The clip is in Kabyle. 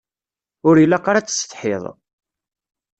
Ur ilaq ara ad tessetḥiḍ.